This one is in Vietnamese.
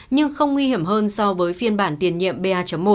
nhưng không nguy hiểm hơn so với phiên bản tiền nhiệm ba một